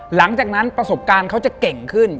หลังจากนั้นประสบการณ์เขาจะเก่งขึ้น